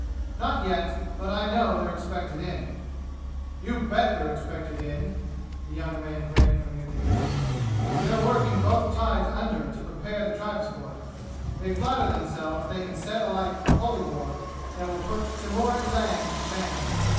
"Not yet. But I know they're expected in." "You bet they're expected in!" The younger man grinned from ear to ear. "They're working both tides under to prepare the tribes for it. They flatter themselves they can set alight a holy war that will put Timour Ilang to shame.